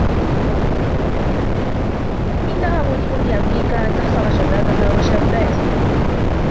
انها مؤلم لأميركا أن تخسر شبابها وشاباتها.